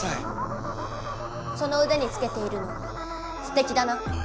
そのうでにつけているのすてきだな。